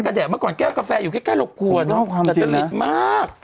กระแดกเมื่อก่อนแก้วกาแฟอยู่ใกล้ใกล้หกกว่าเนอะแต่จะหลีกมาก